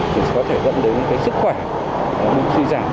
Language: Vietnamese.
thì sẽ có thể dẫn đến sức khỏe bụng suy giảm